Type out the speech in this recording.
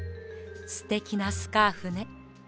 すてきなスカーフね。